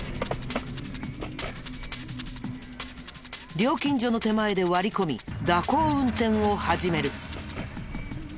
料金所の手前で割り込み蛇行運転を始める。